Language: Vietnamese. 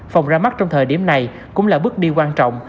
phòng ra mắt trong thời điểm này cũng là bước đi quan trọng